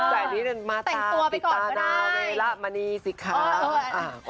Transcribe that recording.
ใส่นี้นึงมาตาพิธีนาวเมละมะนีซิครับ